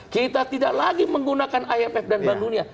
kita tidak lagi menggunakan imf dan bandungnya